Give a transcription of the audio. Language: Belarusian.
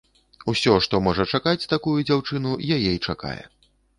Усё, што можа чакаць такую дзяўчыну, яе і чакае.